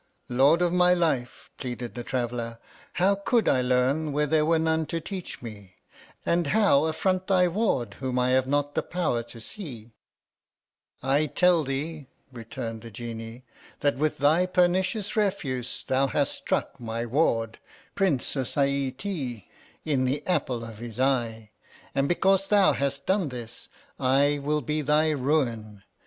Lord of my life, pleaded the traveller, how could I learn where there were none to teach me, and how affront thy ward whom I have not the power to see 1 I tell thee, returned the Genie, tlutt with thy pernicious refuse thou hast struck my ward, Prince Socieete% in the apple of the eye ; and because thou hast done this, I will be thy ruin.